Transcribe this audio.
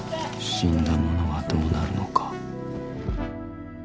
死んだ者はどうなるのか？